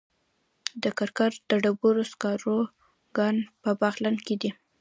د کرکر د ډبرو سکرو کان په بغلان کې دی.